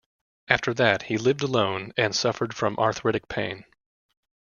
After that, he lived alone and suffered from arthritic pain.